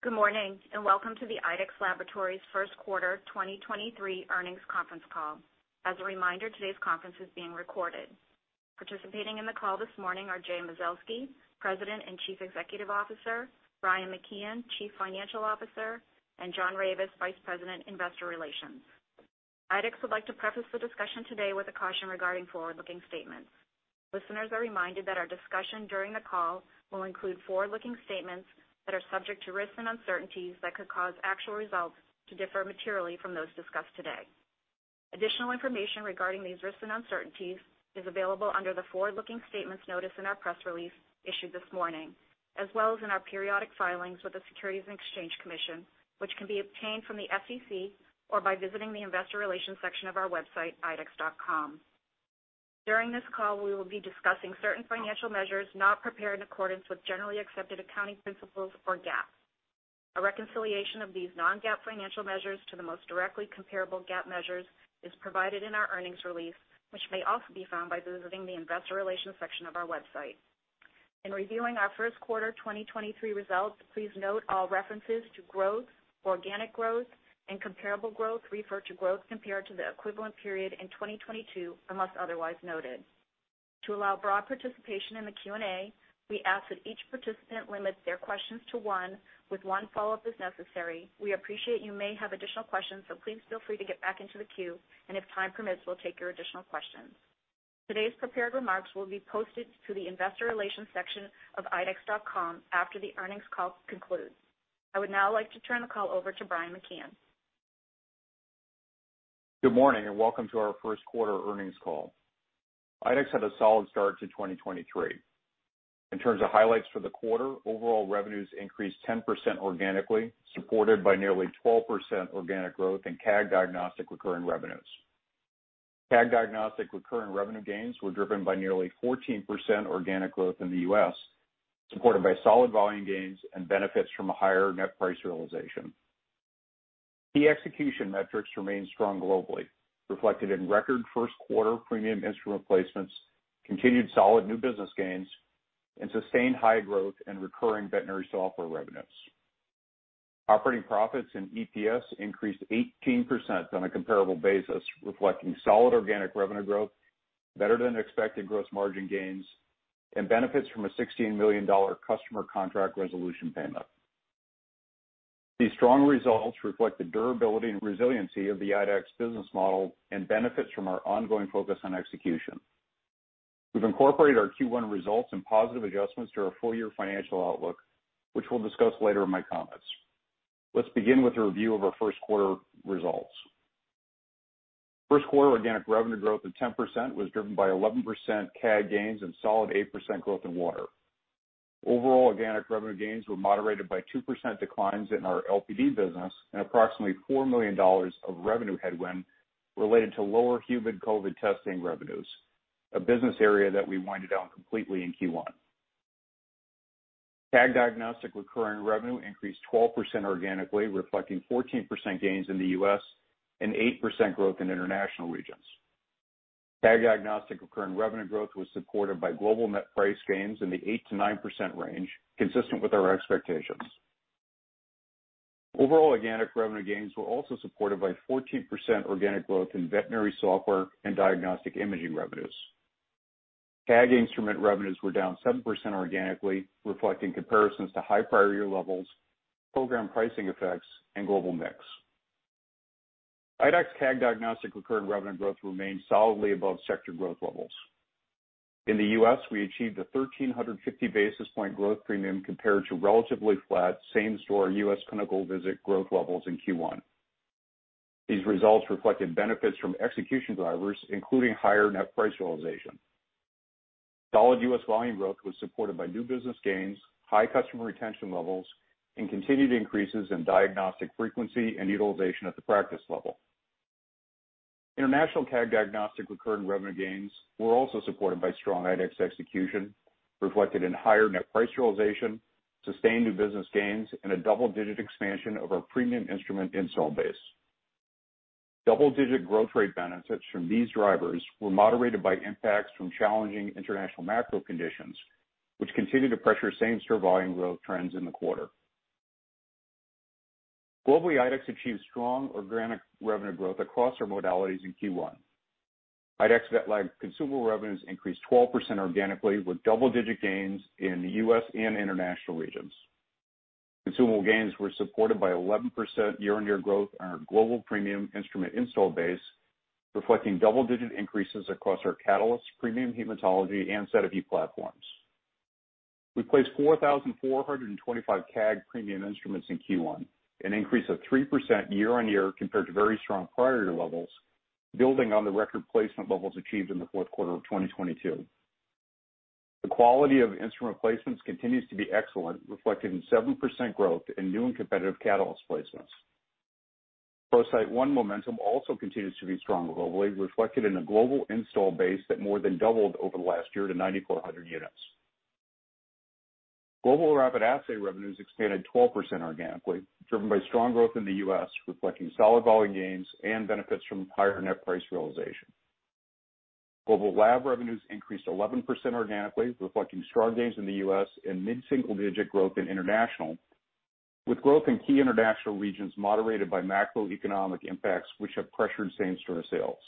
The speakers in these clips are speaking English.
Good morning, Welcome to the IDEXX Laboratories Q1 2023 Earnings Conference Call. As a reminder, today's conference is being recorded. Participating in the call this morning are Jay Mazelsky, President and Chief Executive Officer; Brian McKeon, Chief Financial Officer; and John Ravis, Vice President, Investor Relations. IDEXX would like to preface the discussion today with a caution regarding forward-looking statements. Listeners are reminded that our discussion during the call will include forward-looking statements that are subject to risks and uncertainties that could cause actual results to differ materially from those discussed today. Additional information regarding these risks and uncertainties is available under the forward-looking statements notice in our press release issued this morning, as well as in our periodic filings with the Securities and Exchange Commission, which can be obtained from the SEC or by visiting the investor relations section of our website, idexx.com. During this call, we will be discussing certain financial measures not prepared in accordance with generally accepted accounting principles, or GAAP. A reconciliation of these non-GAAP financial measures to the most directly comparable GAAP measures is provided in our earnings release, which may also be found by visiting the investor relations section of our website. In reviewing our Q1 2023 results, please note all references to growth, organic growth, and comparable growth refer to growth compared to the equivalent period in 2022, unless otherwise noted. To allow broad participation in the Q&A, we ask that each participant limits their questions to one with one follow-up, if necessary. We appreciate you may have additional questions, so please feel free to get back into the queue, and if time permits, we'll take your additional questions. Today's prepared remarks will be posted to the investor relations section of idexx.com after the earnings call concludes. I would now like to turn the call over to Brian McKeon. Good morning, welcome to our Q1 earnings call. IDEXX had a solid start to 2023. In terms of highlights for the quarter, overall revenues increased 10% organically, supported by nearly 12% organic growth in CAG Diagnostic recurring revenues. CAG Diagnostic recurring revenue gains were driven by nearly 14% organic growth in the U.S., supported by solid volume gains and benefits from a higher net price realization. Key execution metrics remained strong globally, reflected in record Q1 premium instrument placements, continued solid new business gains, and sustained high growth in recurring veterinary software revenues. Operating profits and EPS increased 18% on a comparable basis, reflecting solid organic revenue growth, better than expected gross margin gains, and benefits from a $16 million customer contract resolution payment. These strong results reflect the durability and resiliency of the IDEXX business model and benefits from our ongoing focus on execution. We've incorporated our Q1 results and positive adjustments to our full year financial outlook, which we'll discuss later in my comments. Let's begin with a review of our Q1 results. Q1 organic revenue growth of 10% was driven by 11% CAG gains and solid 8% growth in water. Overall, organic revenue gains were moderated by 2% declines in our LPD business and approximately $4 million of revenue headwind related to lower human COVID testing revenues, a business area that we winded down completely in Q1. CAG Diagnostic recurring revenue increased 12% organically, reflecting 14% gains in the U.S. and 8% growth in international regions. CAG Diagnostics recurring revenue growth was supported by global net price gains in the 8%-9% range, consistent with our expectations. Overall organic revenue gains were also supported by 14% organic growth in veterinary software and diagnostic imaging revenues. CAG instrument revenues were down 7% organically, reflecting comparisons to high prior year levels, program pricing effects, and global mix. IDEXX CAG Diagnostics recurring revenue growth remains solidly above sector growth levels. In the U.S., we achieved a 1,350 basis point growth premium compared to relatively flat same store US clinical visit growth levels in Q1. These results reflected benefits from execution drivers, including higher net price realization. Solid US volume growth was supported by new business gains, high customer retention levels, and continued increases in diagnostic frequency and utilization at the practice level. International CAG Diagnostics recurring revenue gains were also supported by strong IDEXX execution, reflected in higher net price realization, sustained new business gains, and a double-digit expansion of our premium instrument install base. Double-digit growth rate benefits from these drivers were moderated by impacts from challenging international macro conditions, which continued to pressure same store volume growth trends in the quarter. Globally, IDEXX achieved strong organic revenue growth across our modalities in Q1. IDEXX VetLab consumable revenues increased 12% organically, with double-digit gains in the U.S. and international regions. Consumable gains were supported by 11% year-on-year growth in our global premium instrument install base, reflecting double-digit increases across our Catalyst premium hematology and SediVue platforms. We placed 4,425 CAG premium instruments in Q1, an increase of 3% year-over-year compared to very strong prior year levels, building on the record placement levels achieved in the Q4 of 2022. The quality of instrument placements continues to be excellent, reflected in 7% growth in new and competitive Catalyst placements. ProCyte One momentum also continues to be strong globally, reflected in a global install base that more than doubled over the last year to 9,400 units. Global rapid assay revenues expanded 12% organically, driven by strong growth in the U.S., reflecting solid volume gains and benefits from higher net price realization. Global lab revenues increased 11% organically, reflecting strong gains in the U.S. and mid-single-digit growth in international, with growth in key international regions moderated by macroeconomic impacts, which have pressured same-store sales.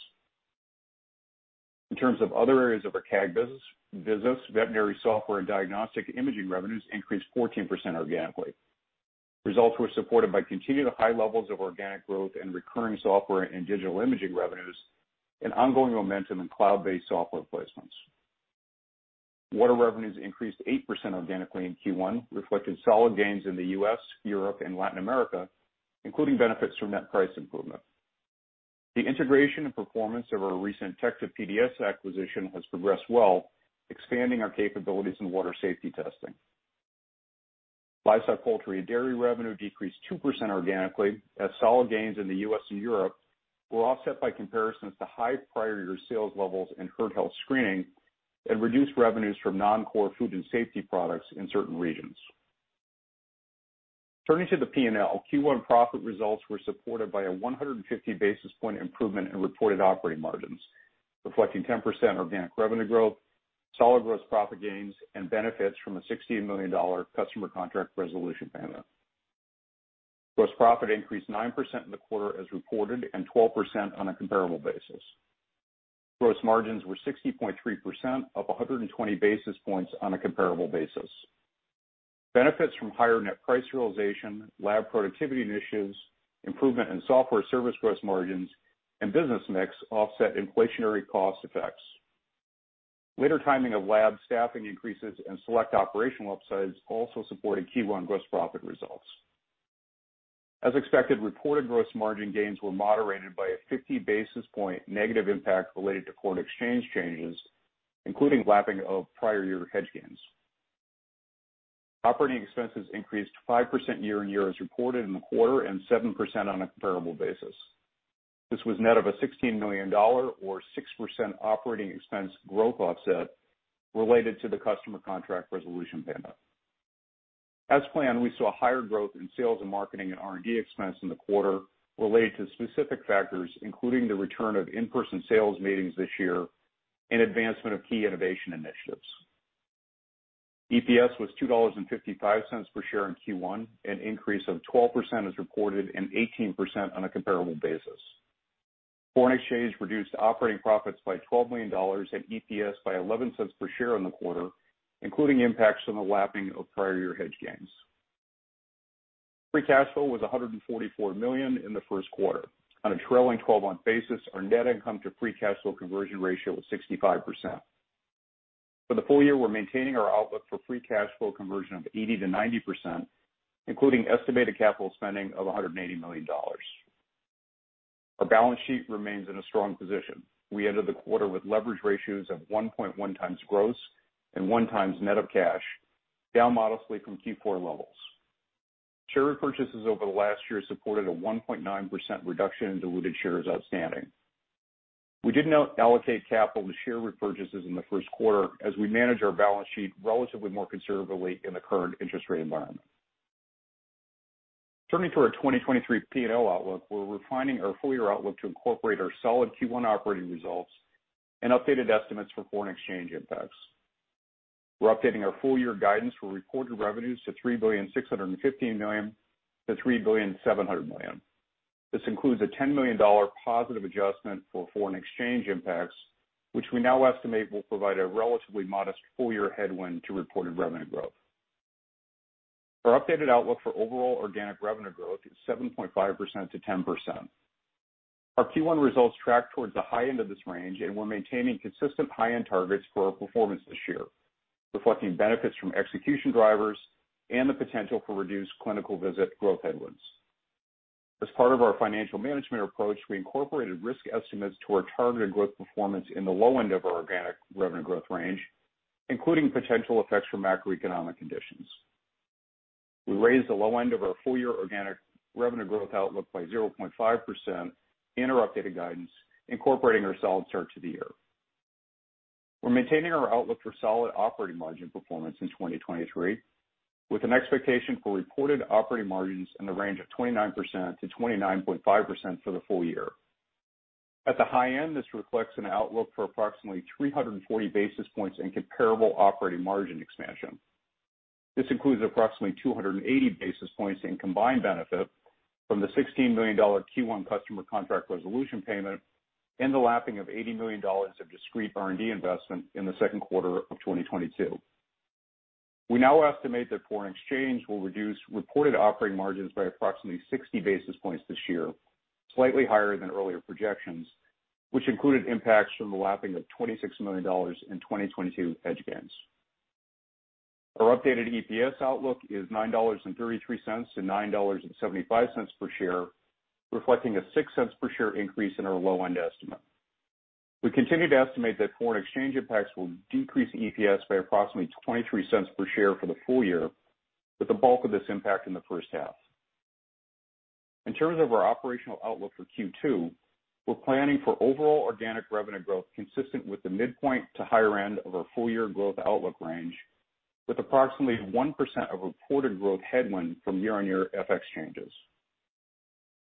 In terms of other areas of our CAG business, veterinary software and diagnostic imaging revenues increased 14% organically. Results were supported by continued high levels of organic growth in recurring software and digital imaging revenues and ongoing momentum in cloud-based software placements. Water revenues increased 8% organically in Q1, reflecting solid gains in the U.S., Europe, and Latin America, including benefits from net price improvement. The integration and performance of our recent TECTA-PDS acquisition has progressed well, expanding our capabilities in water safety testing. Livestock, poultry, and dairy revenue decreased 2% organically as solid gains in the U.S. and Europe were offset by comparisons to high prior year sales levels in herd health screening and reduced revenues from non-core food and safety products in certain regions. Turning to the P&L, Q1 profit results were supported by a 150 basis points improvement in reported operating margins, reflecting 10% organic revenue growth, solid gross profit gains, and benefits from a $16 million customer contract resolution payment. Gross profit increased 9% in the quarter as reported, and 12% on a comparable basis. Gross margins were 60.3% up 120 basis points on a comparable basis. Benefits from higher net price realization, lab productivity initiatives, improvement in software service gross margins, and business mix offset inflationary cost effects. Later timing of lab staffing increases and select operational upsides also supported Q1 gross profit results. As expected, reported gross margin gains were moderated by a 50 basis points negative impact related to foreign exchange changes, including lapping of prior year hedge gains. Operating expenses increased 5% year-over-year as reported in the quarter, and 7% on a comparable basis. This was net of a $16 million or 6% operating expense growth offset related to the customer contract resolution payment. As planned, we saw higher growth in sales and marketing and R&D expense in the quarter related to specific factors, including the return of in-person sales meetings this year and advancement of key innovation initiatives. EPS was $2.55 per share in Q1, an increase of 12% as reported and 18% on a comparable basis. Foreign exchange reduced operating profits by $12 million and EPS by $0.11 per share in the quarter, including impacts from the lapping of prior year hedge gains. Free cash flow was $144 million in the Q1. On a trailing 12-month basis, our net income to free cash flow conversion ratio was 65%. For the full year, we're maintaining our outlook for free cash flow conversion of 80%-90%, including estimated capital spending of $180 million. Our balance sheet remains in a strong position. We ended the quarter with leverage ratios of 1.1x gross and 1 time net of cash, down modestly from Q4 levels. Share repurchases over the last year supported a 1.9% reduction in diluted shares outstanding. We did not allocate capital to share repurchases in the Q1 as we manage our balance sheet relatively more conservatively in the current interest rate environment. Turning to our 2023 P&L outlook, we're refining our full-year outlook to incorporate our solid Q1 operating results and updated estimates for foreign exchange impacts. We're updating our full-year guidance for reported revenues to $3.615 billion-$3.7 billion. This includes a $10 million positive adjustment for foreign exchange impacts, which we now estimate will provide a relatively modest full-year headwind to reported revenue growth. Our updated outlook for overall organic revenue growth is 7.5%-10%. Our Q1 results track towards the high end of this range, and we're maintaining consistent high-end targets for our performance this year, reflecting benefits from execution drivers and the potential for reduced clinical visit growth headwinds. As part of our financial management approach, we incorporated risk estimates to our targeted growth performance in the low end of our organic revenue growth range, including potential effects from macroeconomic conditions. We raised the low end of our full-year organic revenue growth outlook by 0.5% in our updated guidance, incorporating our solid start to the year. We're maintaining our outlook for solid operating margin performance in 2023, with an expectation for reported operating margins in the range of 29%-29.5% for the full year. At the high end, this reflects an outlook for approximately 340 basis points in comparable operating margin expansion. This includes approximately 280 basis points in combined benefit from the $16 million Q1 customer contract resolution payment and the lapping of $80 million of discrete R&D investment in the Q2 of 2022. We now estimate that foreign exchange will reduce reported operating margins by approximately 60 basis points this year, slightly higher than earlier projections, which included impacts from the lapping of $26 million in 2022 hedge gains. Our updated EPS outlook is $9.33-$9.75 per share, reflecting a $0.06 per share increase in our low-end estimate. We continue to estimate that foreign exchange impacts will decrease EPS by approximately $0.23 per share for the full year, with the bulk of this impact in the first half. In terms of our operational outlook for Q2, we're planning for overall organic revenue growth consistent with the midpoint to higher end of our full-year growth outlook range, with approximately 1% of reported growth headwind from year-on-year FX changes.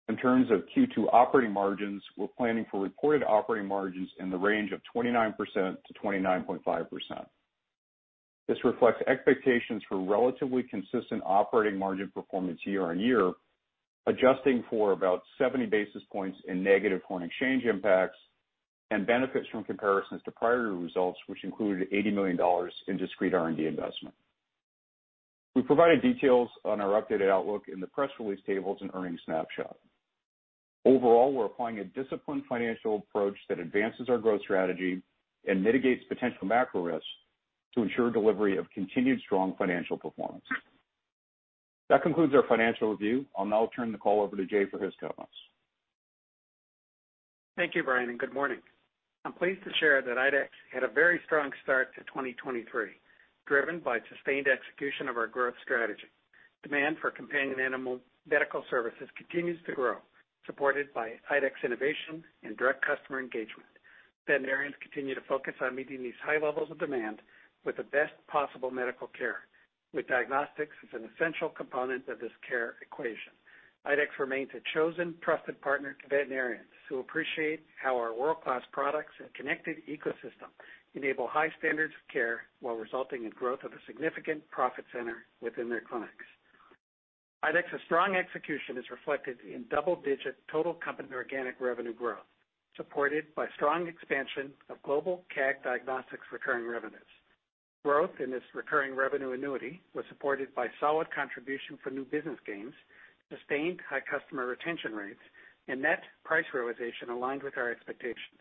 In terms of Q2 operating margins, we're planning for reported operating margins in the range of 29%-29.5%. This reflects expectations for relatively consistent operating margin performance year-on-year, adjusting for about 70 basis points in negative foreign exchange impacts and benefits from comparisons to prior results, which included $80 million in discrete R&D investment. We provided details on our updated outlook in the press release tables and earnings snapshot. We're applying a disciplined financial approach that advances our growth strategy and mitigates potential macro risks to ensure delivery of continued strong financial performance. That concludes our financial review. I'll now turn the call over to Jay for his comments. Thank you, Brian. Good morning. I'm pleased to share that IDEXX had a very strong start to 2023, driven by sustained execution of our growth strategy. Demand for companion animal medical services continues to grow, supported by IDEXX innovation and direct customer engagement. Veterinarians continue to focus on meeting these high levels of demand with the best possible medical care, with diagnostics as an essential component of this care equation. IDEXX remains a chosen, trusted partner to veterinarians who appreciate how our world-class products and connected ecosystem enable high standards of care while resulting in growth of a significant profit center within their clinics. IDEXX's strong execution is reflected in double-digit total company organic revenue growth, supported by strong expansion of global CAG Diagnostics recurring revenues. Growth in this recurring revenue annuity was supported by solid contribution for new business gains, sustained high customer retention rates, and net price realization aligned with our expectations.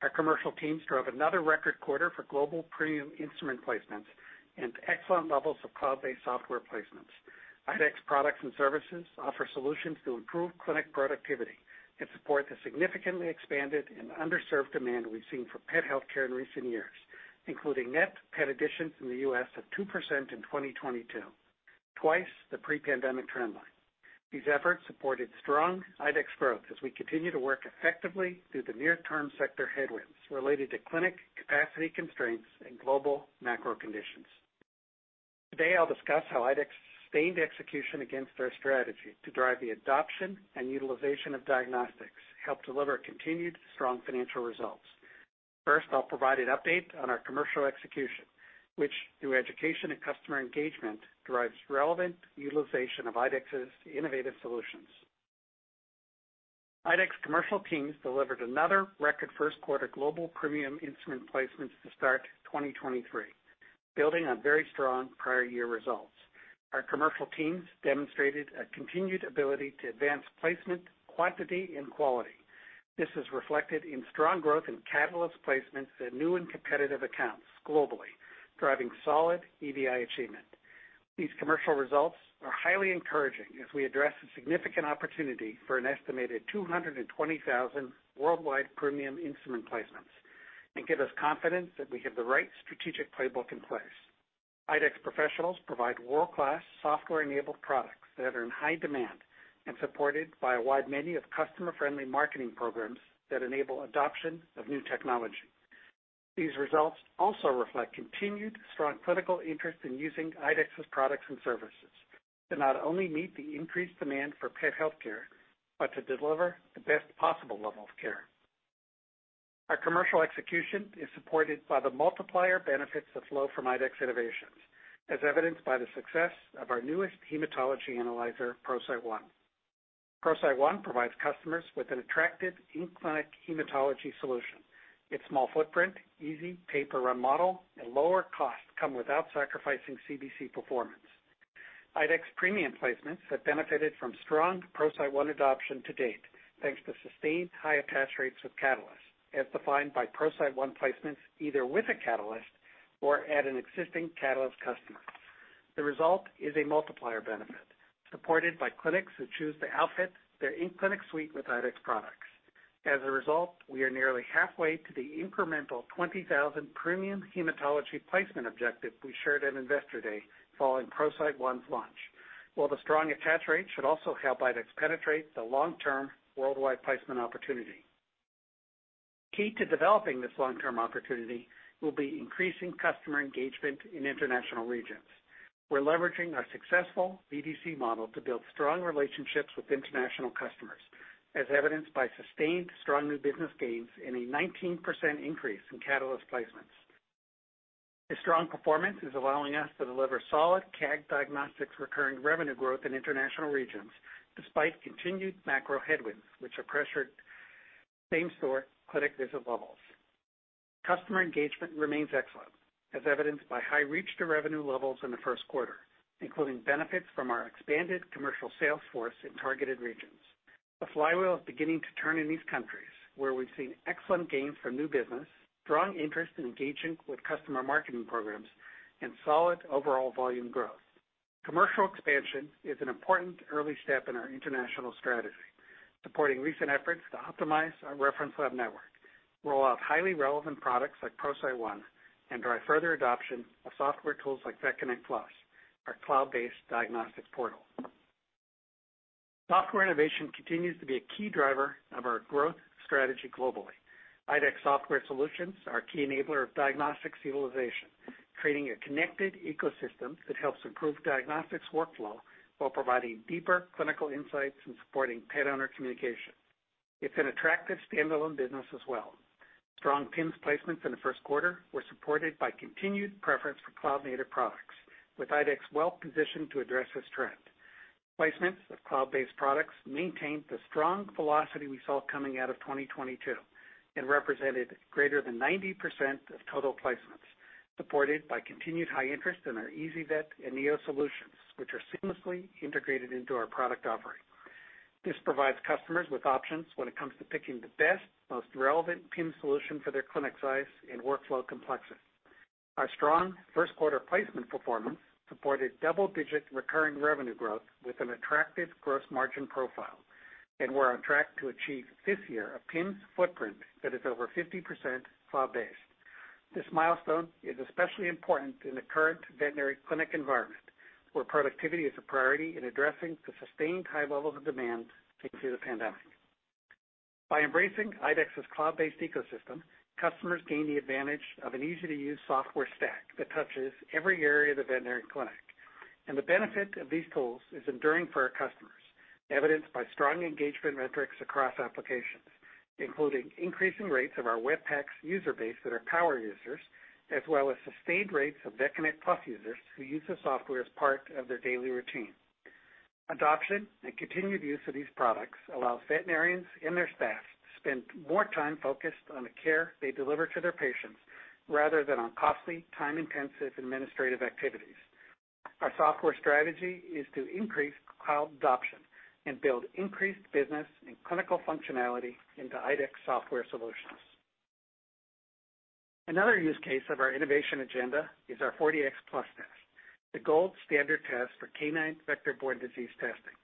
Our commercial teams drove another record quarter for global premium instrument placements and excellent levels of cloud-based software placements. IDEXX products and services offer solutions to improve clinic productivity and support the significantly expanded and underserved demand we've seen for pet healthcare in recent years, including net pet additions in the U.S. of 2% in 2022, twice the pre-pandemic trend line. These efforts supported strong IDEXX growth as we continue to work effectively through the near-term sector headwinds related to clinic capacity constraints and global macro conditions. Today, I'll discuss how IDEXX's sustained execution against our strategy to drive the adoption and utilization of diagnostics help deliver continued strong financial results. First, I'll provide an update on our commercial execution, which through education and customer engagement, drives relevant utilization of IDEXX's innovative solutions. IDEXX commercial teams delivered another record Q1 global premium instrument placements to start 2023, building on very strong prior year results. Our commercial teams demonstrated a continued ability to advance placement, quantity, and quality. This is reflected in strong growth in Catalyst placements in new and competitive accounts globally, driving solid EDI achievement. These commercial results are highly encouraging as we address a significant opportunity for an estimated 220,000 worldwide premium instrument placements and give us confidence that we have the right strategic playbook in place. IDEXX professionals provide world-class software-enabled products that are in high demand and supported by a wide menu of customer-friendly marketing programs that enable adoption of new technology. These results also reflect continued strong clinical interest in using IDEXX's products and services to not only meet the increased demand for pet healthcare, but to deliver the best possible level of care. Our commercial execution is supported by the multiplier benefits that flow from IDEXX innovations, as evidenced by the success of our newest hematology analyzer, ProCyte One. ProCyte One provides customers with an attractive in-clinic hematology solution. Its small footprint, easy pay-per-run model, and lower cost come without sacrificing CBC performance. IDEXX premium placements have benefited from strong ProCyte One adoption to date, thanks to sustained high attach rates with Catalyst, as defined by ProCyte One placements either with a Catalyst or at an existing Catalyst customer. The result is a multiplier benefit, supported by clinics who choose to outfit their in-clinic suite with IDEXX products. As a result, we are nearly halfway to the incremental 20,000 premium hematology placement objective we shared at Investor Day following ProCyte One's launch, while the strong attach rate should also help IDEXX penetrate the long-term worldwide placement opportunity. Key to developing this long-term opportunity will be increasing customer engagement in international regions. We're leveraging our successful BDC model to build strong relationships with international customers, as evidenced by sustained strong new business gains and a 19% increase in Catalyst placements. This strong performance is allowing us to deliver solid CAG Diagnostics recurring revenue growth in international regions, despite continued macro headwinds which have pressured same-store clinic visit levels. Customer engagement remains excellent, as evidenced by high reach to revenue levels in the Q1, including benefits from our expanded commercial sales force in targeted regions. The flywheel is beginning to turn in these countries, where we've seen excellent gains from new business, strong interest in engaging with customer marketing programs, and solid overall volume growth. Commercial expansion is an important early step in our international strategy, supporting recent efforts to optimize our reference lab network, roll out highly relevant products like ProCyte One, and drive further adoption of software tools like VetConnect PLUS, our cloud-based diagnostics portal. Software innovation continues to be a key driver of our growth strategy globally. IDEXX software solutions are a key enabler of diagnostics utilization. Creating a connected ecosystem that helps improve diagnostics workflow while providing deeper clinical insights and supporting pet owner communication. It's an attractive standalone business as well. Strong PIMS placements in the Q1 were supported by continued preference for cloud-native products, with IDEXX well positioned to address this trend. Placements of cloud-based products maintained the strong velocity we saw coming out of 2022 and represented greater than 90% of total placements, supported by continued high interest in our EasyVet and Neo solutions, which are seamlessly integrated into our product offering. This provides customers with options when it comes to picking the best, most relevant PIMS solution for their clinic size and workflow complexity. Our strong Q1 placement performance supported double-digit recurring revenue growth with an attractive gross margin profile, and we're on track to achieve this year a PIMS footprint that is over 50% cloud-based. This milestone is especially important in the current veterinary clinic environment, where productivity is a priority in addressing the sustained high levels of demand since the pandemic. By embracing IDEXX's cloud-based ecosystem, customers gain the advantage of an easy-to-use software stack that touches every area of the veterinary clinic. The benefit of these tools is enduring for our customers, evidenced by strong engagement metrics across applications, including increasing rates of our IDEXX Web PACS user base that are power users, as well as sustained rates of VetConnect PLUS users who use the software as part of their daily routine. Adoption and continued use of these products allows veterinarians and their staff to spend more time focused on the care they deliver to their patients rather than on costly, time-intensive administrative activities. Our software strategy is to increase cloud adoption and build increased business and clinical functionality into IDEXX software solutions. Another use case of our innovation agenda is our 4Dx Plus test, the gold standard test for canine vector-borne disease testing.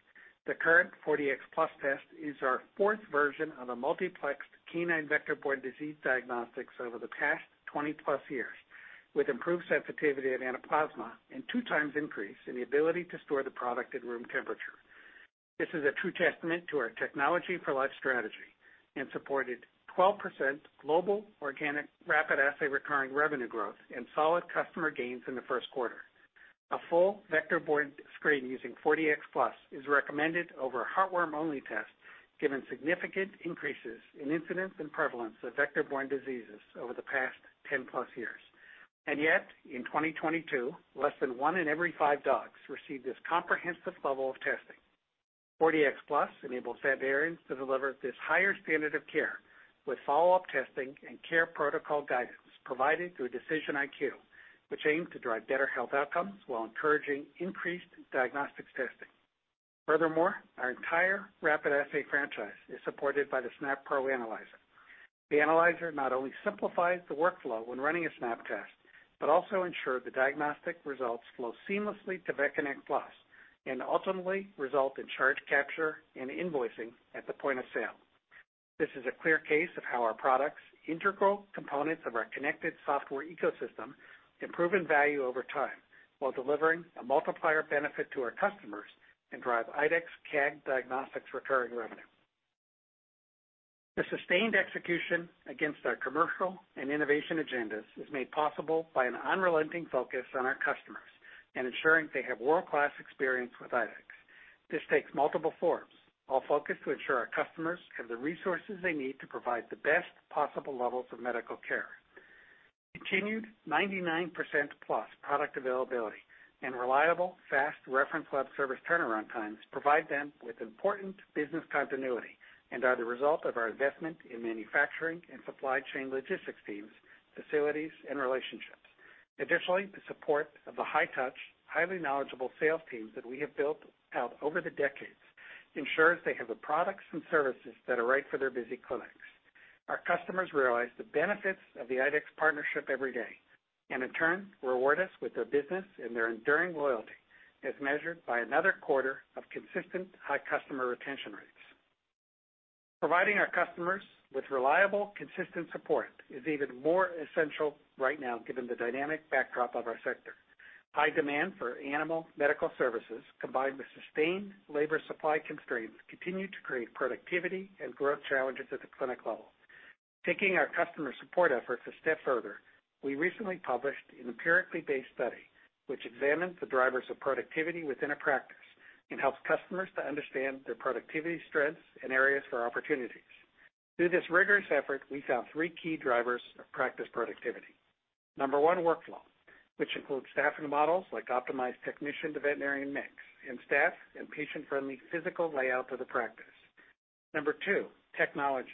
The current 4Dx Plus test is our fourth version of a multiplexed canine vector-borne disease diagnostics over the past 20+ years, with improved sensitivity in Anaplasma and 2x increase in the ability to store the product at room temperature. This is a true testament to our Technology for Life strategy and supported 12% global organic rapid assay recurring revenue growth and solid customer gains in the Q1. A full vector-borne screen using 4Dx Plus is recommended over a heartworm-only test given significant increases in incidence and prevalence of vector-borne diseases over the past 10+ years. Yet, in 2022, less than one in every five dogs received this comprehensive level of testing. 4Dx Plus enables veterinarians to deliver this higher standard of care with follow-up testing and care protocol guidance provided through DecisionIQ, which aim to drive better health outcomes while encouraging increased diagnostics testing. Furthermore, our entire rapid assay franchise is supported by the SNAP Pro Analyzer. The analyzer not only simplifies the workflow when running a SNAP test, but also ensure the diagnostic results flow seamlessly to VetConnect PLUS and ultimately result in charge capture and invoicing at the point of sale. This is a clear case of how our products, integral components of our connected software ecosystem, improve in value over time while delivering a multiplier benefit to our customers and drive IDEXX CAG Diagnostics recurring revenue. The sustained execution against our commercial and innovation agendas is made possible by an unrelenting focus on our customers and ensuring they have world-class experience with IDEXX. This takes multiple forms, all focused to ensure our customers have the resources they need to provide the best possible levels of medical care. Continued 99% plus product availability and reliable, fast reference lab service turnaround times provide them with important business continuity and are the result of our investment in manufacturing and supply chain logistics teams, facilities, and relationships. Additionally, the support of the high-touch, highly knowledgeable sales teams that we have built out over the decades ensures they have the products and services that are right for their busy clinics. Our customers realize the benefits of the IDEXX partnership every day, and in turn reward us with their business and their enduring loyalty as measured by another quarter of consistent high customer retention rates. Providing our customers with reliable, consistent support is even more essential right now given the dynamic backdrop of our sector. High demand for animal medical services combined with sustained labor supply constraints continue to create productivity and growth challenges at the clinic level. Taking our customer support efforts a step further, we recently published an empirically based study which examines the drivers of productivity within a practice and helps customers to understand their productivity strengths and areas for opportunities. Through this rigorous effort, we found three key drivers of practice productivity. Number one, workflow, which includes staffing models like optimized technician-to-veterinarian mix and staff and patient-friendly physical layout of the practice. Number two, technology,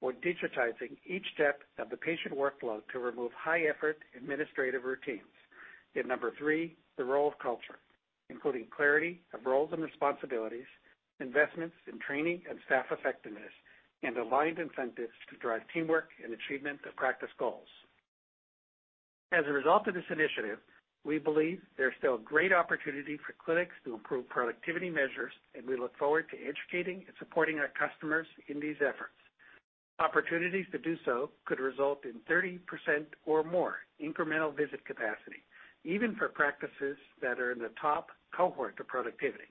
or digitizing each step of the patient workflow to remove high-effort administrative routines. Number three, the role of culture, including clarity of roles and responsibilities, investments in training and staff effectiveness, and aligned incentives to drive teamwork and achievement of practice goals. As a result of this initiative, we believe there's still great opportunity for clinics to improve productivity measures. We look forward to educating and supporting our customers in these efforts. Opportunities to do so could result in 30% or more incremental visit capacity, even for practices that are in the top cohort of productivity.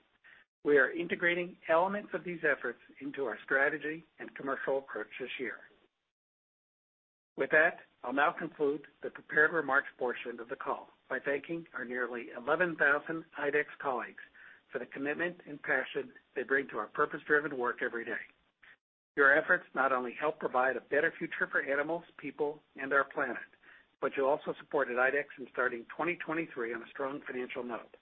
We are integrating elements of these efforts into our strategy and commercial approach this year. With that, I'll now conclude the prepared remarks portion of the call by thanking our nearly 11,000 IDEXX colleagues for the commitment and passion they bring to our purpose-driven work every day. Your efforts not only help provide a better future for animals, people, and our planet, but you also supported IDEXX in starting 2023 on a strong financial note.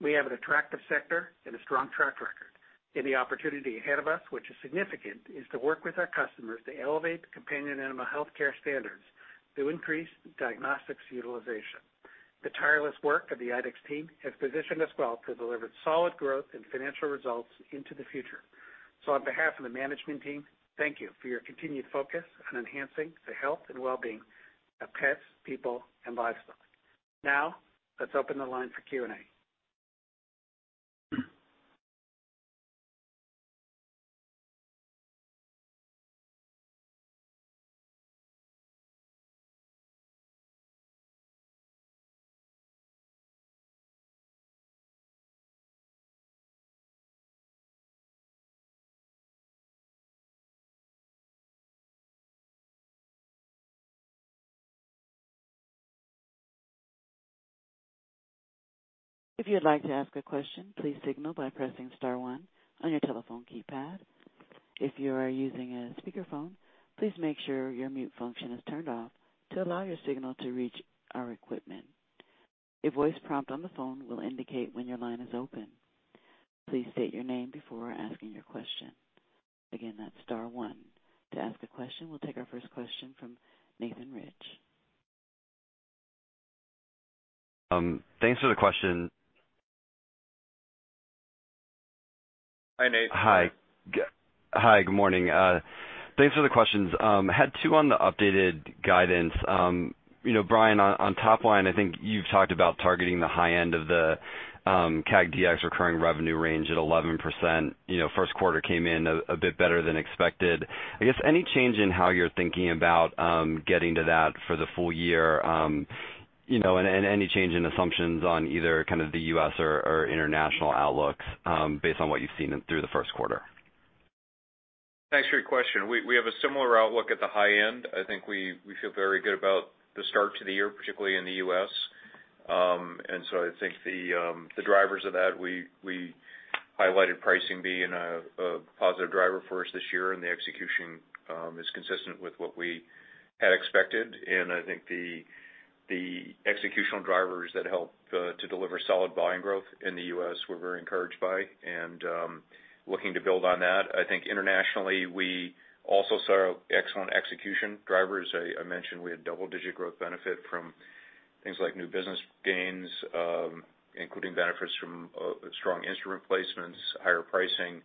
We have an attractive sector and a strong track record. The opportunity ahead of us, which is significant, is to work with our customers to elevate companion animal healthcare standards to increase diagnostics utilization. The tireless work of the IDEXX team has positioned us well to deliver solid growth and financial results into the future. On behalf of the management team, thank you for your continued focus on enhancing the health and well-being of pets, people, and livestock. Let's open the line for Q&A. If you'd like to ask a question, please signal by pressing star one on your telephone keypad. If you are using a speakerphone, please make sure your mute function is turned off to allow your signal to reach our equipment. A voice prompt on the phone will indicate when your line is open. Please state your name before asking your question. Again, that's star one to ask a question. We'll take our first question from Nathan Rich. Thanks for the question. Hi, Nate. Hi. Hi, good morning. Thanks for the questions. Had two on the updated guidance. You know, Brian, on top line, I think you've talked about targeting the high end of the CAG DX recurring revenue range at 11%. You know, Q1 came in a bit better than expected. I guess, any change in how you're thinking about getting to that for the full year, you know, and any change in assumptions on either kind of the U.S. or international outlooks, based on what you've seen through the Q1? Thanks for your question. We have a similar outlook at the high end. I think we feel very good about the start to the year, particularly in the U.S. I think the drivers of that, we highlighted pricing being a positive driver for us this year, and the execution is consistent with what we had expected. I think the executional drivers that help to deliver solid volume growth in the U.S. we're very encouraged by and looking to build on that. I think internationally, we also saw excellent execution drivers. I mentioned we had double-digit growth benefit from things like new business gains, including benefits from strong instrument placements, higher pricing.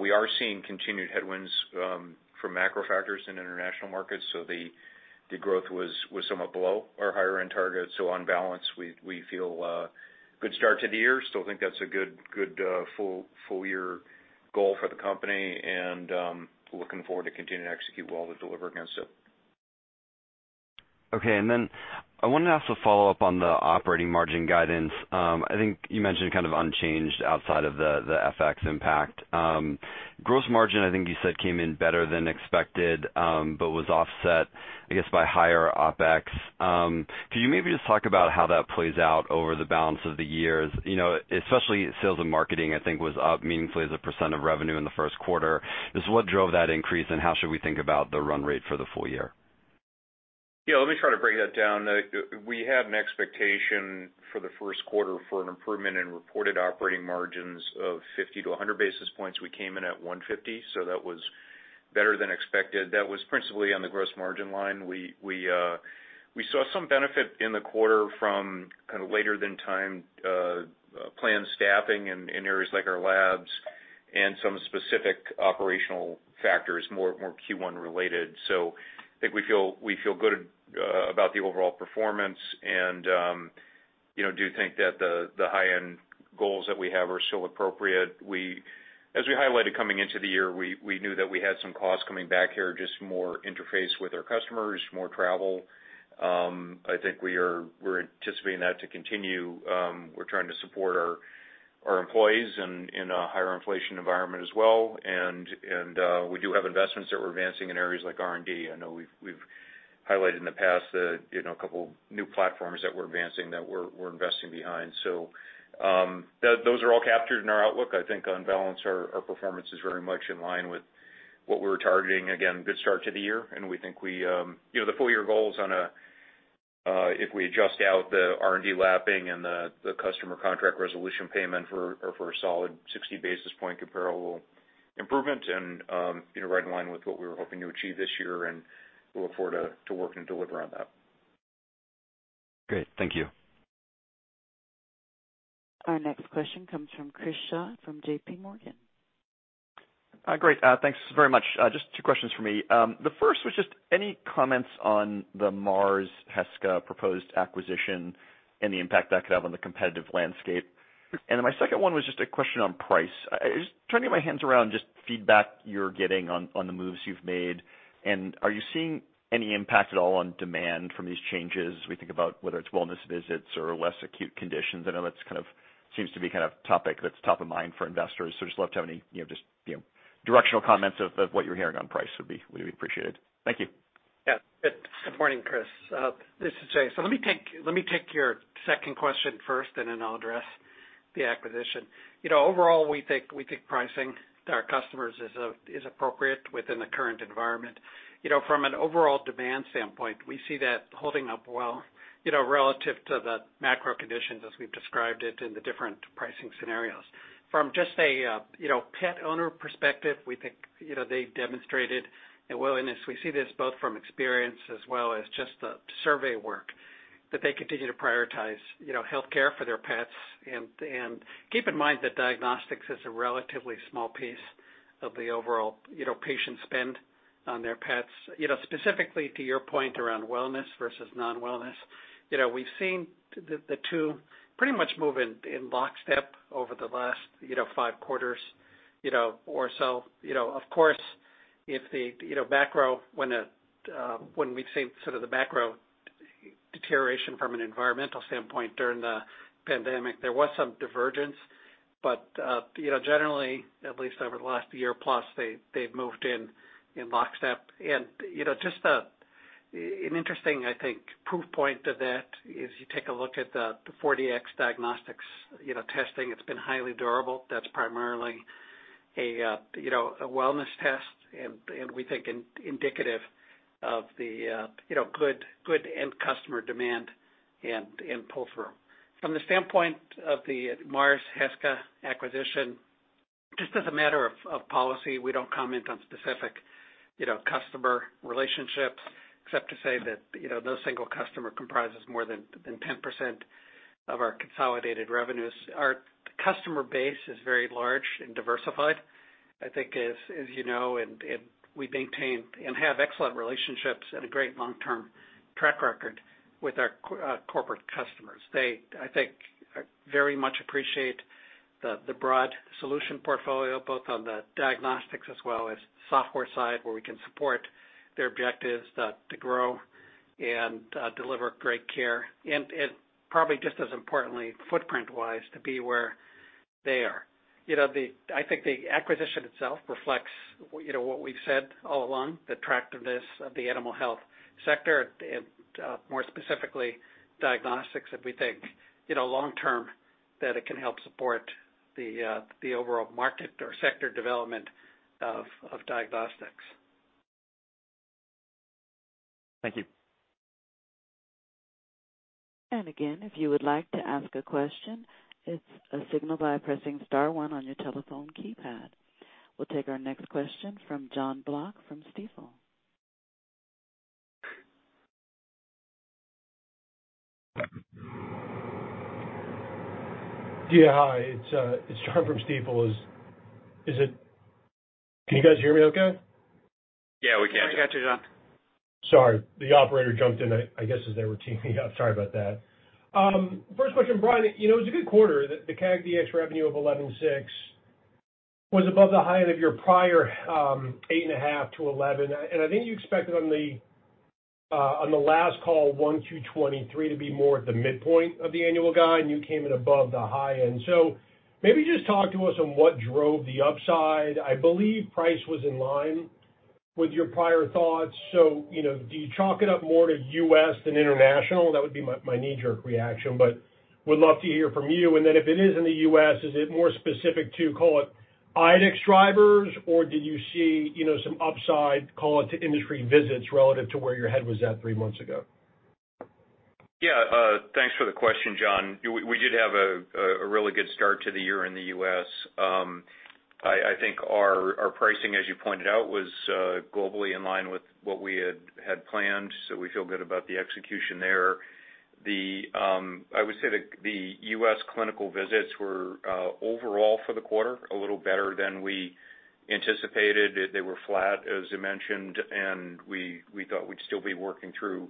We are seeing continued headwinds from macro factors in international markets, the growth was somewhat below our higher end targets. On balance, we feel a good start to the year. Still think that's a good full year goal for the company and looking forward to continuing to execute well to deliver against it. Okay. I wanted to also follow up on the operating margin guidance. I think you mentioned kind of unchanged outside of the FX impact. Gross margin, I think you said, came in better than expected, but was offset, I guess, by higher OpEx. Could you maybe just talk about how that plays out over the balance of the year? You know, especially sales and marketing, I think, was up meaningfully as a % of revenue in the Q1. Just what drove that increase, and how should we think about the run rate for the full year? Yeah, let me try to break that down. We had an expectation for the Q1 for an improvement in reported operating margins of 50-100 basis points. We came in at 150, so that was better than expected. That was principally on the gross margin line. We saw some benefit in the quarter from kind of later than timed planned staffing in areas like our labs and some specific operational factors, more Q1 related. I think we feel good about the overall performance and, you know, do think that the high-end goals that we have are still appropriate. As we highlighted coming into the year, we knew that we had some costs coming back here, just more interface with our customers, more travel. I think we're anticipating that to continue. We're trying to support our employees in a higher inflation environment as well. We do have investments that we're advancing in areas like R&D. I know we've highlighted in the past the, you know, couple new platforms that we're advancing, that we're investing behind. Those are all captured in our outlook. I think on balance, our performance is very much in line with what we were targeting. Again, good start to the year, and we think we. You know, the full-year goal is on a, if we adjust out the R&D lapping and the customer contract resolution payment are for a solid 60 basis point comparable improvement, you know, right in line with what we were hoping to achieve this year, and we look forward to work and deliver on that. Great. Thank you. Our next question comes from Chris Schott from JP Morgan. Great. Thanks very much. Just two questions from me. The first was just any comments on the Mars Heska proposed acquisition and the impact that could have on the competitive landscape? My second one was just a question on price. Just turning my hands around just feedback you're getting on the moves you've made. Are you seeing any impact at all on demand from these changes as we think about whether it's wellness visits or less acute conditions? I know that's kind of seems to be kind of topic that's top of mind for investors. Just love to have any, you know, just, you know, directional comments of what you're hearing on price would be appreciated. Thank you. Yeah. Good morning, Chris. This is Jay. Let me take your second question first, I'll address. The acquisition. You know, overall, we think pricing to our customers is appropriate within the current environment. You know, from an overall demand standpoint, we see that holding up well, you know, relative to the macro conditions as we've described it in the different pricing scenarios. From just a, you know, pet owner perspective, we think, you know, they demonstrated a willingness. We see this both from experience as well as just the survey work that they continue to prioritize, you know, healthcare for their pets. Keep in mind that diagnostics is a relatively small piece of the overall, you know, patient spend on their pets. You know, specifically to your point around wellness versus non-wellness, you know, we've seen the two pretty much move in lockstep over the last, you know, five quarters, you know, or so. You know, of course, if the, you know, macro when we've seen sort of the macro deterioration from an environmental standpoint during the pandemic, there was some divergence. But, you know, generally, at least over the last year plus, they've moved in lockstep. And, you know, just an interesting, I think, proof point to that is you take a look at the 4Dx diagnostics, you know, testing. It's been highly durable. That's primarily a, you know, a wellness test and we think indicative of the, you know, good end customer demand and pull-through. From the standpoint of the Mars Heska acquisition, just as a matter of policy, we don't comment on specific, you know, customer relationships except to say that, you know, no single customer comprises more than 10% of our consolidated revenues. Our customer base is very large and diversified, I think, as you know, and we maintain and have excellent relationships and a great long-term track record with our corporate customers. They, I think, very much appreciate the broad solution portfolio, both on the diagnostics as well as software side, where we can support their objectives to grow and deliver great care. Probably just as importantly, footprint-wise, to be where they are. You know, I think the acquisition itself reflects, you know, what we've said all along, the attractiveness of the animal health sector and more specifically, diagnostics that we think, you know, long term, that it can help support the overall market or sector development of diagnostics. Thank you. Again, if you would like to ask a question, it's a signal by pressing star one on your telephone keypad. We'll take our next question from Jonathan Block from Stifel. Yeah, hi, it's Jon from Stifel. Can you guys hear me okay? Yeah, we can. We got you, Jon. Sorry. The operator jumped in, I guess as they were teeing me up. Sorry about that. First question, Brian, you know, it was a good quarter. The CAG DX revenue of $11.6 was above the high end of your prior, $8.5-$11. I think you expected on the, on the last call, one to 23 to be more at the midpoint of the annual guide, and you came in above the high end. Maybe just talk to us on what drove the upside. I believe price was in line with your prior thoughts. You know, do you chalk it up more to U.S. than international? That would be my knee-jerk reaction, but would love to hear from you. If it is in the U.S., is it more specific to, call it, IDEXX drivers, or did you see, you know, some upside, call it to industry visits relative to where your head was at three months ago? Thanks for the question, Jon. We did have a really good start to the year in the U.S. I think our pricing, as you pointed out, was globally in line with what we had planned, so we feel good about the execution there. I would say the U.S. clinical visits were overall for the quarter, a little better than we anticipated. They were flat, as you mentioned, and we thought we'd still be working through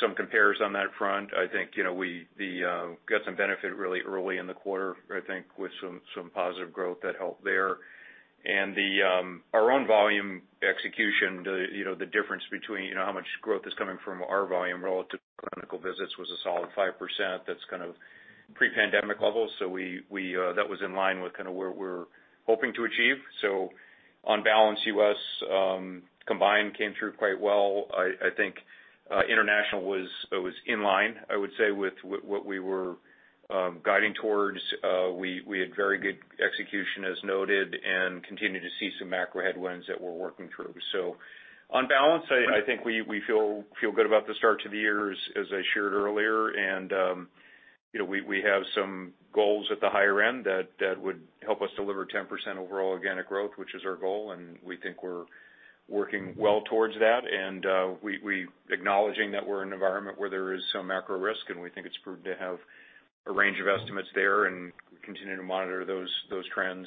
some compares on that front. I think, you know, the got some benefit really early in the quarter, I think, with some positive growth that helped there. Our own volume execution, you know, the difference between, you know, how much growth is coming from our volume relative to clinical visits was a solid 5%. That's kind of pre-pandemic levels. That was in line with kinda where we're hoping to achieve. On balance, U.S. combined came through quite well. I think international was in line, I would say, with what we were guiding towards. We had very good execution as noted and continued to see some macro headwinds that we're working through. On balance, I think we feel good about the start to the year as I shared earlier. You know, we have some goals at the higher end that would help us deliver 10% overall organic growth, which is our goal, and we think we're working well towards that. We acknowledging that we're in an environment where there is some macro risk, and we think it's prudent to have a range of estimates there and continue to monitor those trends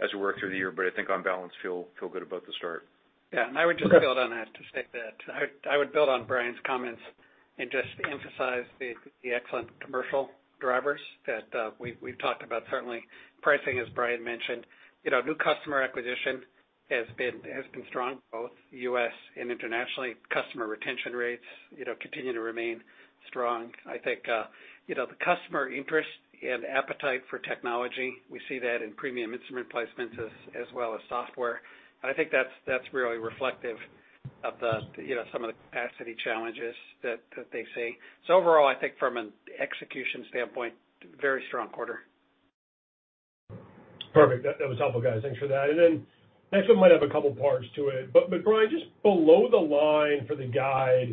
as we work through the year. I think on balance, feel good about the start. Yeah. I would just build on that to state that I would build on Brian's comments and just emphasize the excellent commercial drivers that we've talked about. Certainly pricing, as Brian mentioned. You know, new customer acquisition has been strong, both U.S. and internationally. Customer retention rates, you know, continue to remain strong. I think, you know, the customer interest and appetite for technology, we see that in premium instrument placements as well as software. I think that's really reflective of the, you know, some of the capacity challenges that they see. Overall, I think from an execution standpoint, very strong quarter. Perfect. That was helpful, guys. Thanks for that. Next one might have a couple parts to it. Brian, just below the line for the guide,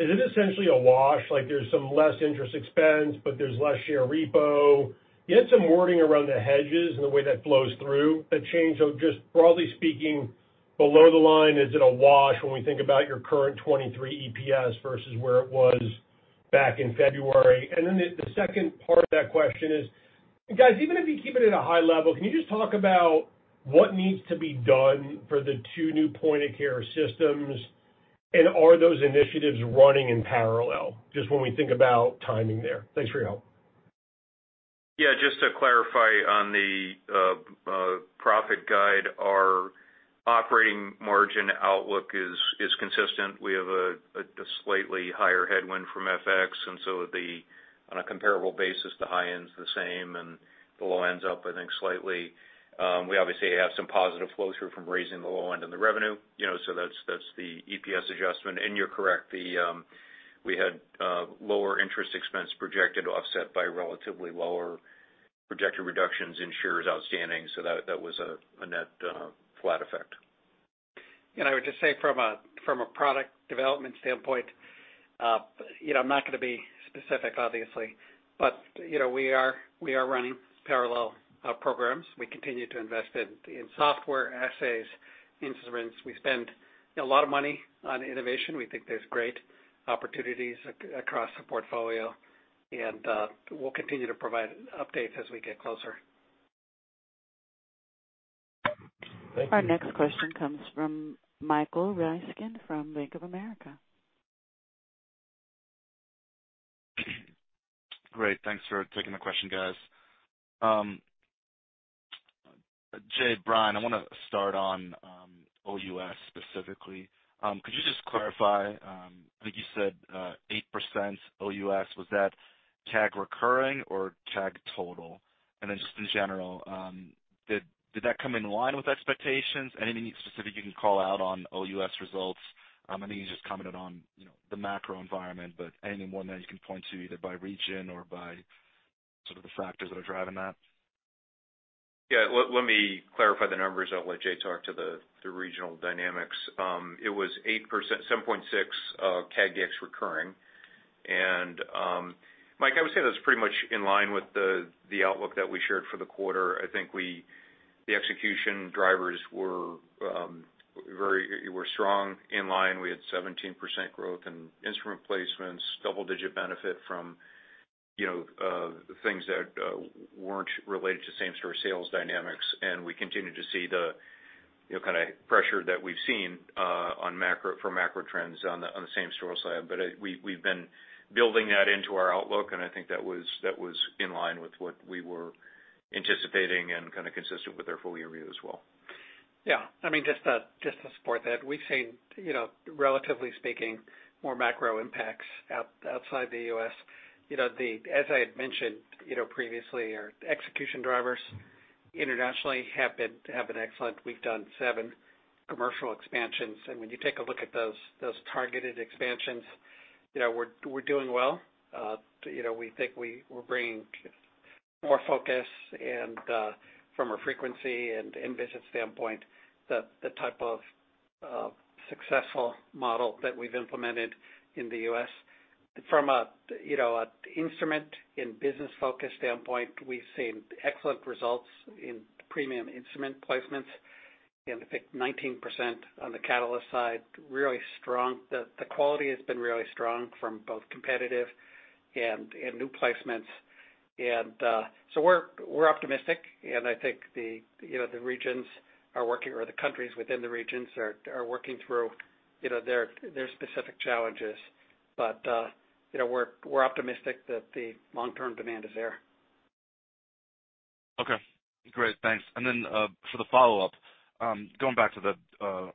is it essentially a wash? Like there's some less interest expense, but there's less share repo. You had some wording around the hedges and the way that flows through the change. Just broadly speaking, below the line, is it a wash when we think about your current 23 EPS versus where it was back in February? The second part of that question is, guys, even if you keep it at a high level, can you just talk about what needs to be done for the 2 new point of care systems? Are those initiatives running in parallel, just when we think about timing there? Thanks for your help. Just to clarify on the profit guide, our operating margin outlook is consistent. We have a slightly higher headwind from FX, on a comparable basis, the high end's the same and the low end's up, I think, slightly. We obviously have some positive flow-through from raising the low end in the revenue, you know, that's the EPS adjustment. You're correct, we had lower interest expense projected offset by relatively lower projected reductions in shares outstanding, that was a net flat effect. I would just say from a product development standpoint, you know, I'm not gonna be specific obviously, but, you know, we are running parallel programs. We continue to invest in software, assays, instruments. We spend a lot of money on innovation. We think there's great opportunities across the portfolio, and we'll continue to provide updates as we get closer. Thank you. Our next question comes from Michael Ryskin from Bank of America. Great. Thanks for taking the question, guys. Jay, Brian, I wanna start on OUS specifically. Could you just clarify, I think you said 8% OUS, was that CAG recurring or CAG total? Then just in general, did that come in line with expectations? Anything specific you can call out on OUS results? I know you just commented on, you know, the macro environment, but anything more than you can point to either by region or by sort of the factors that are driving that? Yeah. Let me clarify the numbers. I'll let Jay talk to the regional dynamics. It was 8%, 7.6% CAG ex recurring. Mike, I would say that's pretty much in line with the outlook that we shared for the quarter. I think the execution drivers were strong in line. We had 17% growth in instrument placements, double-digit benefit from, you know, things that weren't related to same store sales dynamics. We continue to see the, you know, kind of pressure that we've seen from macro trends on the same store side. We've been building that into our outlook, and I think that was, that was in line with what we were anticipating and kind of consistent with our full-year view as well. Yeah. I mean, just to support that, we've seen, you know, relatively speaking, more macro impacts outside the U.S. As I had mentioned, you know, previously, our execution drivers internationally have been excellent. We've done seven commercial expansions. When you take a look at those targeted expansions, you know, we're doing well. You know, we're bringing more focus and from a frequency and in-visit standpoint, the type of successful model that we've implemented in the U.S. From a, you know, an instrument and business focus standpoint, we've seen excellent results in premium instrument placements. I think 19% on the Catalyst side, really strong. The quality has been really strong from both competitive and new placements. We're optimistic, and I think the, you know, the regions are working or the countries within the regions are working through, you know, their specific challenges. You know, we're optimistic that the long-term demand is there. Okay, great. Thanks. For the follow-up, going back to the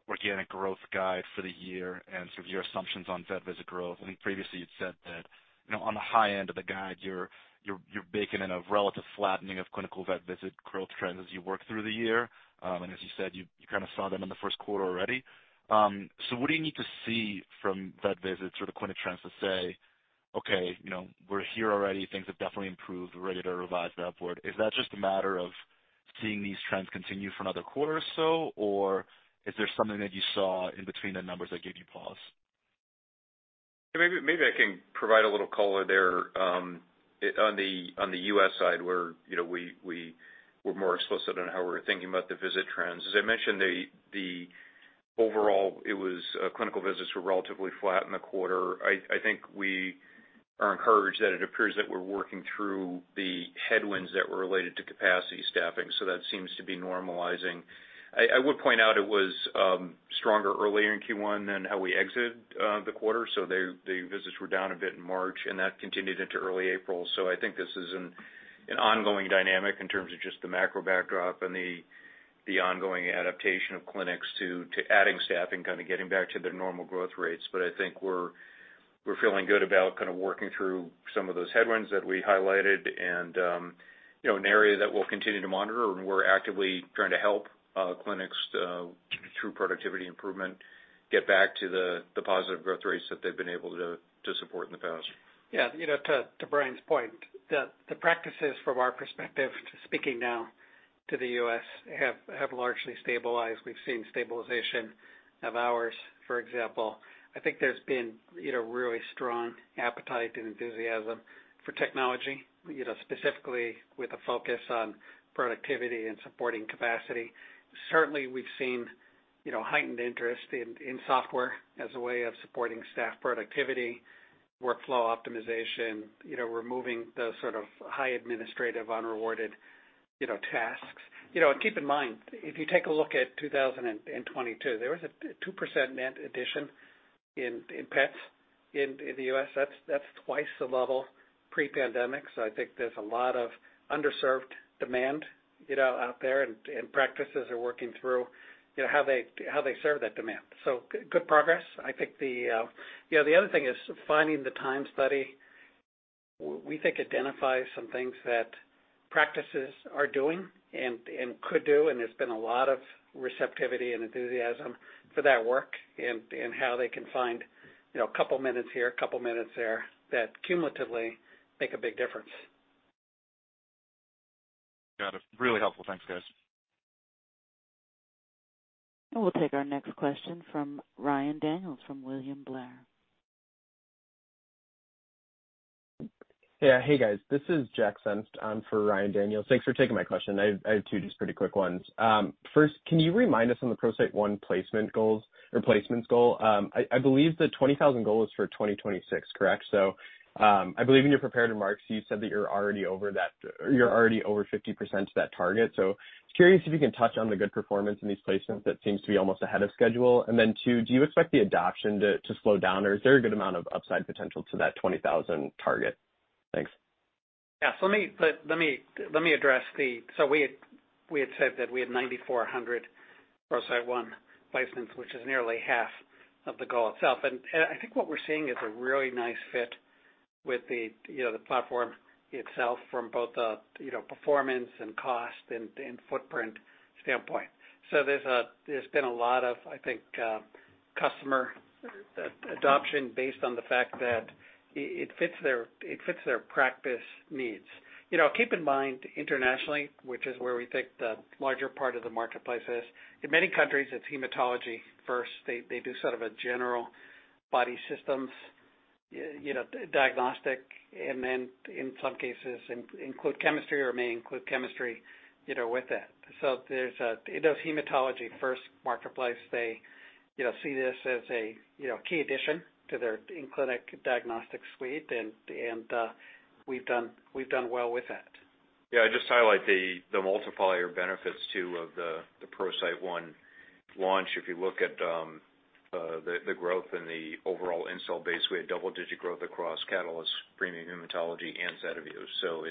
organic growth guide for the year and sort of your assumptions on vet visit growth, I think previously you'd said that, you know, on the high end of the guide, you're baking in a relative flattening of clinical vet visit growth trends as you work through the year. As you said, you kind of saw them in the Q1 already. What do you need to see from vet visits or the clinic trends to say, "Okay, you know, we're here already, things have definitely improved. We're ready to revise that upward." Is that just a matter of seeing these trends continue for another quarter or so, or is there something that you saw in between the numbers that gave you pause? Maybe I can provide a little color there, on the US side where, you know, we're more explicit on how we're thinking about the visit trends. As I mentioned, the overall, it was clinical visits were relatively flat in the quarter. I think we are encouraged that it appears that we're working through the headwinds that were related to capacity staffing, so that seems to be normalizing. I would point out it was stronger earlier in Q1 than how we exited the quarter. The visits were down a bit in March, and that continued into early April. I think this is an ongoing dynamic in terms of just the macro backdrop and the ongoing adaptation of clinics to adding staffing, kind of getting back to their normal growth rates. I think We're feeling good about kind of working through some of those headwinds that we highlighted and, you know, an area that we'll continue to monitor and we're actively trying to help, clinics, through productivity improvement, get back to the positive growth rates that they've been able to support in the past. Yeah. You know, to Brian's point, the practices from our perspective, speaking now to the U.S., have largely stabilized. We've seen stabilization of ours, for example. I think there's been, you know, really strong appetite and enthusiasm for technology, you know, specifically with a focus on productivity and supporting capacity. Certainly, we've seen, you know, heightened interest in software as a way of supporting staff productivity, workflow optimization, you know, removing the sort of high administrative unrewarded, you know, tasks. Keep in mind, if you take a look at 2022, there was a 2% net addition in pets in the U.S. That's twice the level pre-pandemic. I think there's a lot of underserved demand, you know, out there, and practices are working through, you know, how they, how they serve that demand. Good progress. I think the, you know, the other thing is finding the time study, we think identifies some things that practices are doing and could do, and there's been a lot of receptivity and enthusiasm for that work and how they can find, you know, a couple minutes here, a couple minutes there that cumulatively make a big difference. Got it. Really helpful. Thanks, guys. We'll take our next question from Ryan Daniels from William Blair. Yeah. Hey, guys. This is Jack Senft for Ryan Daniels. Thanks for taking my question. I have two just pretty quick ones. First, can you remind us on the ProCyte One placement goals or placements goal? I believe the 20,000 goal is for 2026, correct? I believe in your prepared remarks, you said that you're already over 50% to that target. Just curious if you can touch on the good performance in these placements that seems to be almost ahead of schedule. Two, do you expect the adoption to slow down, or is there a good amount of upside potential to that 20,000 target? Thanks. Yeah. Let me address the. We had said that we had 9,400 ProCyte One placements, which is nearly half of the goal itself. And I think what we're seeing is a really nice fit with the, you know, the platform itself from both a, you know, performance and cost and footprint standpoint. There's been a lot of, I think, customer adoption based on the fact that it fits their practice needs. You know, keep in mind internationally, which is where we think the larger part of the marketplace is, in many countries, it's hematology first. They do sort of a general body systems, you know, diagnostic and then in some cases include chemistry or may include chemistry, you know, with it. In those hematology first marketplace, they, you know, see this as a, you know, key addition to their in-clinic diagnostic suite. We've done well with that. Yeah. I'd just highlight the multiplier benefits too of the ProCyte One launch. If you look at the growth in the overall install base, we had double-digit growth across Catalyst, premium hematology, and SediVue.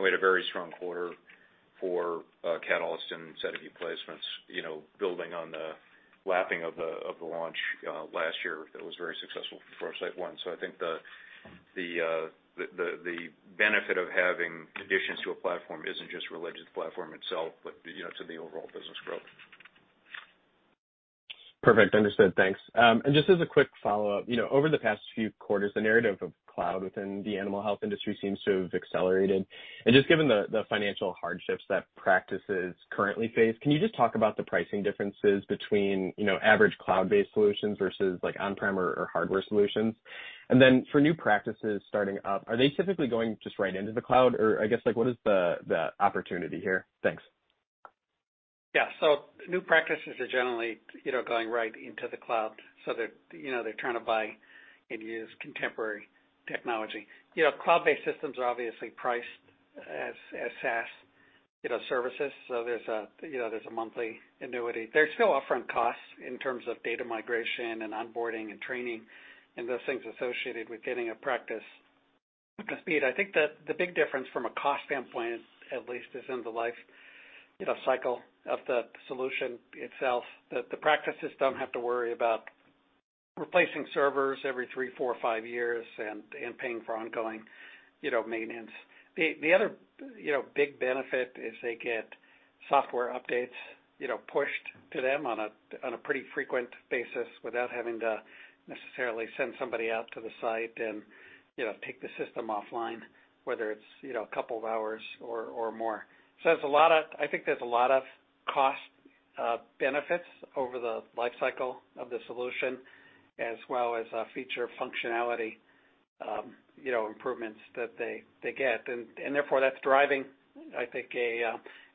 We had a very strong quarter for Catalyst and SediVue placements, you know, building on the lapping of the, of the launch last year that was very successful for ProCyte One. I think the, the, the benefit of having additions to a platform isn't just related to the platform itself, but, you know, to the overall business growth. Perfect. Understood. Thanks. Just as a quick follow-up, you know, over the past few quarters, the narrative of cloud within the animal health industry seems to have accelerated. Just given the financial hardships that practices currently face, can you just talk about the pricing differences between, you know, average cloud-based solutions versus, like, on-prem or hardware solutions? For new practices starting up, are they typically going just right into the cloud? Or I guess, like, what is the opportunity here? Thanks. New practices are generally, you know, going right into the cloud. They're, you know, they're trying to buy and use contemporary technology. You know, cloud-based systems are obviously priced as SaaS, you know, services. There's a, you know, there's a monthly annuity. There's still upfront costs in terms of data migration and onboarding and training and those things associated with getting a practice up to speed. I think the big difference from a cost standpoint at least, is in the life, you know, cycle of the solution itself, that the practices don't have to worry about replacing servers every three, four, five years and paying for ongoing, you know, maintenance. The other, you know, big benefit is they get software updates, you know, pushed to them on a pretty frequent basis without having to necessarily send somebody out to the site and, you know, take the system offline, whether it's, you know, a couple of hours or more. I think there's a lot of cost benefits over the life cycle of the solution, as well as feature functionality, you know, improvements that they get. Therefore, that's driving, I think,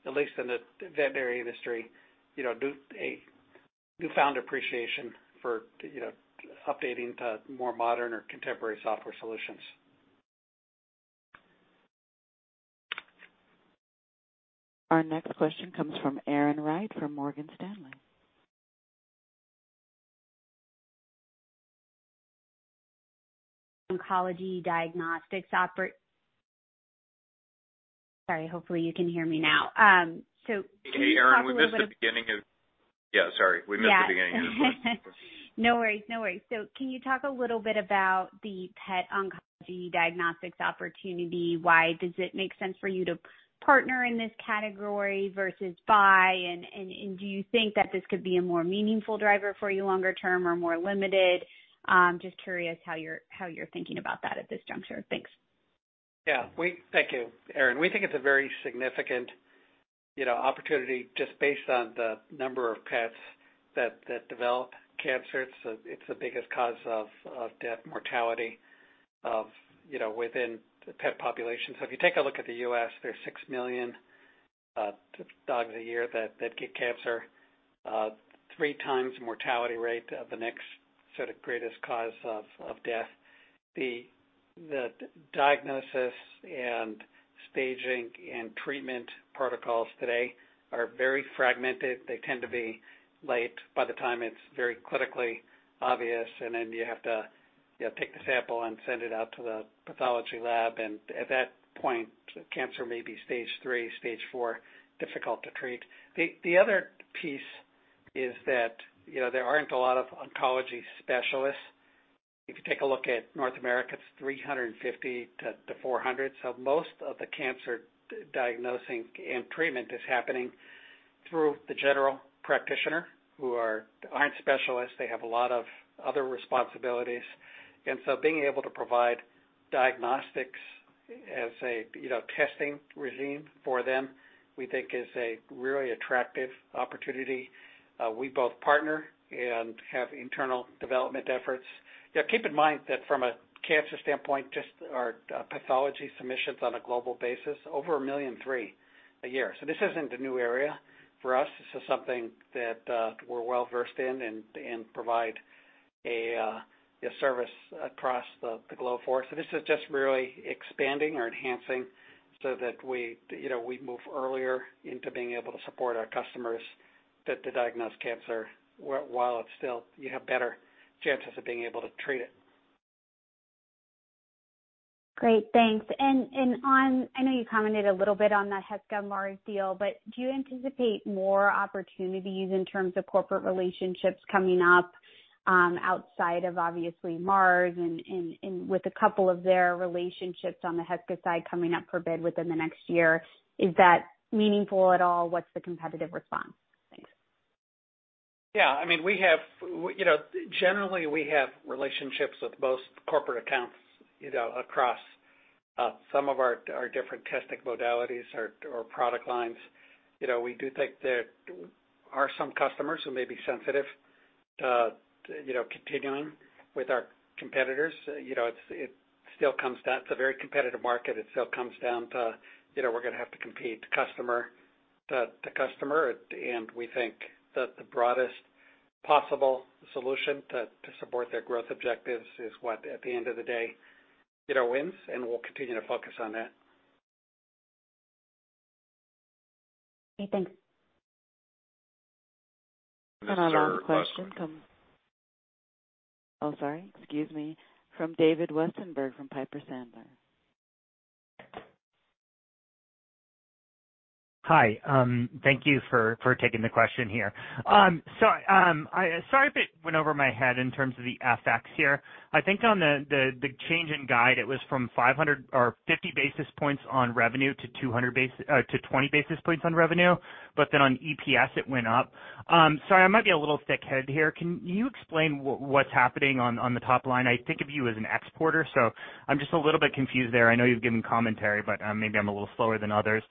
at least in the veterinary industry, you know, a newfound appreciation for, you know, updating to more modern or contemporary software solutions. Our next question comes from Erin Wright from Morgan Stanley. Oncology diagnostics Sorry, hopefully you can hear me now. can you talk a little bit- Hey, Erin, we missed the beginning of... Yeah, sorry. Yeah. We missed the beginning of your question. No worries, no worries. Can you talk a little bit about the pet oncology diagnostics opportunity? Why does it make sense for you to partner in this category versus buy? Do you think that this could be a more meaningful driver for you longer term or more limited? Just curious how you're thinking about that at this juncture. Thanks. Yeah, Thank you, Erin. We think it's a very significant, you know, opportunity just based on the number of pets that develop cancer. It's the biggest cause of death mortality of, you know, within the pet population. If you take a look at the U.S., there's 6 million dogs a year that get cancer. 3x mortality rate of the next sort of greatest cause of death. The diagnosis and staging and treatment protocols today are very fragmented. They tend to be late by the time it's very clinically obvious, then you have to, you know, take the sample and send it out to the pathology lab. At that point, cancer may be stage 3, stage 4, difficult to treat. The other piece is that, you know, there aren't a lot of oncology specialists. If you take a look at North America, it's 350-400. Most of the cancer diagnosing and treatment is happening through the general practitioner who aren't specialists. They have a lot of other responsibilities. Being able to provide diagnostics as a, you know, testing regime for them, we think is a really attractive opportunity. We both partner and have internal development efforts. Keep in mind that from a cancer standpoint, just our pathology submissions on a global basis, over 1.3 million a year. This isn't a new area for us. This is something that we're well-versed in and provide a, you know, service across the globe for. This is just really expanding or enhancing so that we, you know, we move earlier into being able to support our customers that to diagnose cancer while it's still, you have better chances of being able to treat it. Great. Thanks. I know you commented a little bit on the Heska-Mars deal, do you anticipate more opportunities in terms of corporate relationships coming up outside of obviously Mars and with a couple of their relationships on the Heska side coming up for bid within the next year, is that meaningful at all? What's the competitive response? Thanks. I mean, we have. You know, generally, we have relationships with most corporate accounts, you know, across some of our different testing modalities or product lines. You know, we do think there are some customers who may be sensitive to, you know, continuing with our competitors. You know, it's, it still comes down to very competitive market. It still comes down to, you know, we're gonna have to compete customer to customer. At the end, we think that the broadest possible solution to support their growth objectives is what at the end of the day, you know, wins, and we'll continue to focus on that. Okay. Thanks. Next is our last one. Our last question. Oh, sorry, excuse me. From David Westenberg from Piper Sandler. Hi, thank you for taking the question here. Sorry if it went over my head in terms of the FX here. I think on the change in guide, it was from 500 or 50 basis points on revenue to 200 basis to 20 basis points on revenue. On EPS, it went up. Sorry, I might be a little thick-headed here. Can you explain what's happening on the top line? I think of you as an exporter, so I'm just a little bit confused there. I know you've given commentary, but maybe I'm a little slower than others.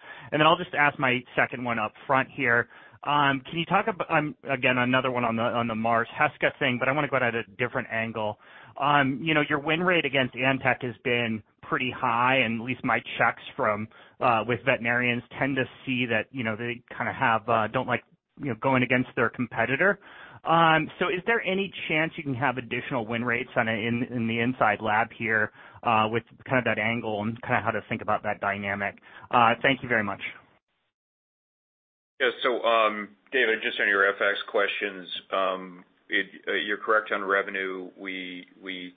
I'll just ask my second one up front here. Can you talk about again, another one on the Mars-Heska thing, but I wanna go at a different angle. you know, your win rate against Antech has been pretty high, and at least my checks from, with veterinarians tend to see that, you know, they kinda have, don't like, you know, going against their competitor. Is there any chance you can have additional win rates in the inside lab here, with kind of that angle and kinda how to think about that dynamic? Thank you very much. Yeah. David, just on your FX questions, you're correct on revenue. We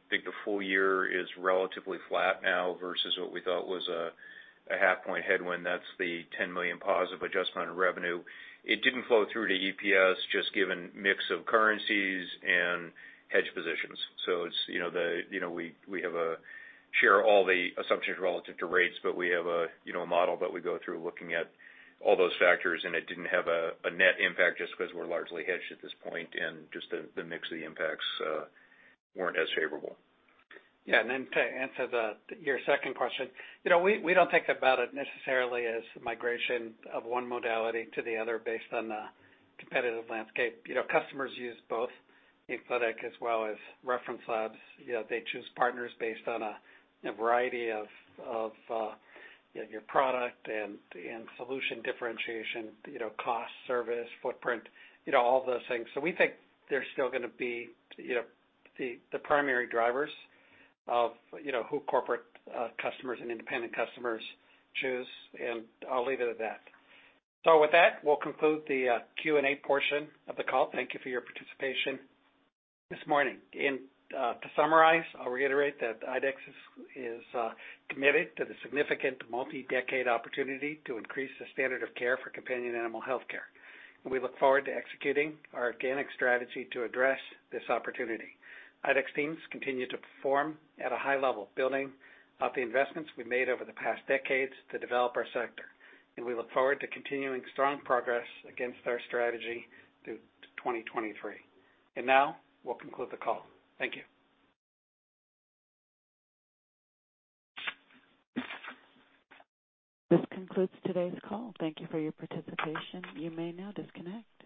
think the full year is relatively flat now versus what we thought was a half point headwind. That's the $10 million positive adjustment in revenue. It didn't flow through to EPS just given mix of currencies and hedge positions. It's, you know, the, you know, we share all the assumptions relative to rates, but we have a, you know, model that we go through looking at all those factors, and it didn't have a net impact just because we're largely hedged at this point and just the mix of the impacts weren't as favorable. Yeah. To answer your second question. You know, we don't think about it necessarily as migration of one modality to the other based on the competitive landscape. You know, customers use both in-clinic as well as reference labs. You know, they choose partners based on a variety of your product and solution differentiation, you know, cost, service, footprint, you know, all those things. We think they're still gonna be, you know, the primary drivers of, you know, who corporate customers and independent customers choose, and I'll leave it at that. With that, we'll conclude the Q&A portion of the call. Thank you for your participation this morning. To summarize, I'll reiterate that IDEXX is committed to the significant multi-decade opportunity to increase the standard of care for companion animal healthcare. We look forward to executing our organic strategy to address this opportunity. IDEXX teams continue to perform at a high level, building up the investments we've made over the past decades to develop our sector. We look forward to continuing strong progress against our strategy through 2023. Now we'll conclude the call. Thank you. This concludes today's call. Thank you for your participation. You may now disconnect.